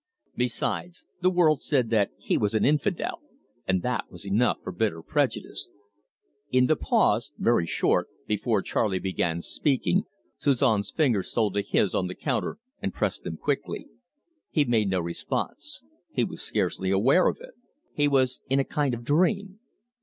Besides, the world said that he was an infidel, and that was enough for bitter prejudice. In the pause very short before Charley began speaking, Suzon's fingers stole to his on the counter and pressed them quickly. He made no response; he was scarcely aware of it. He was in a kind of dream.